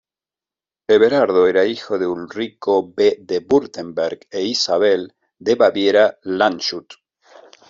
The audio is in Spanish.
Everardo era hijo de Ulrico V de Wurtemberg e Isabel de Baviera-Landshut.